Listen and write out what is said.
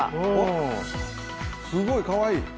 すごい、かわいい。